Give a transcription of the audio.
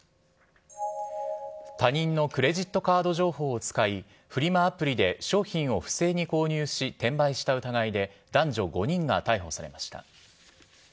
他人のクレジットカード情報を使い、フリマアプリで商品を不正に購入し転売した疑いで、男女５人が逮捕されました。